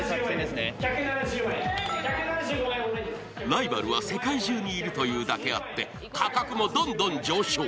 ライバルは世界中にいるというだけあって、価格もどんどん上昇。